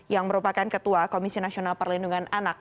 yang merupakan ketua komisi nasional perlindungan anak